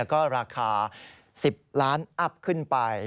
ก็ราคา๑๐ล้านอัพขึ้นไป